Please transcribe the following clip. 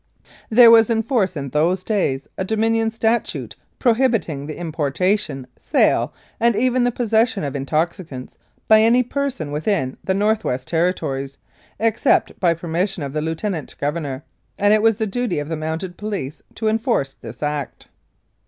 There was in force in those days a Dominion statute prohibiting the importation, sale and even the posses sion of intoxicants by any person within the North West Territories, except by permission of the Lieutenant Governor, and it was the duty of the Mounted Police to enforce this Act.